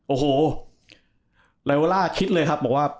โอ้โหไลโอล่าคิดเลยครับบอกว่า